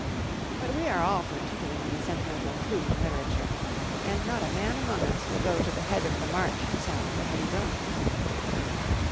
But we are all for tootling on the sentimental flute in literature; and not a man among us will go to the head of the march to sound the heady drums.